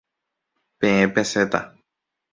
Peẽ pesẽta.